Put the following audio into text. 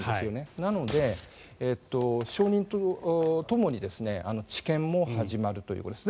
なので、承認とともに治験も始まるということですね。